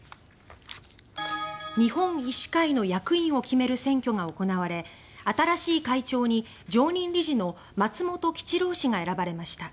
日本医師会の役員を決める選挙が行われ新しい会長に、常任理事の松本吉郎氏が選ばれました。